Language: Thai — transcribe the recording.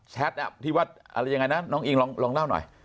ที่ว่าอะไรยังไงนะน้องอิงลองเล่าหน่อย